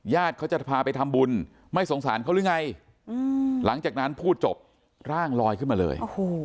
เขาจะพาไปทำบุญไม่สงสารเขาหรือไงหลังจากนั้นพูดจบร่างลอยขึ้นมาเลย